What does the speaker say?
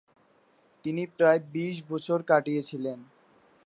তিনি প্রায় বিশ বছর কাটিয়েছিলেন।